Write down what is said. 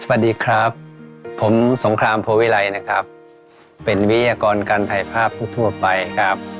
สวัสดีครับผมสงครามโพวิไลนะครับเป็นวิทยากรการถ่ายภาพทั่วไปครับ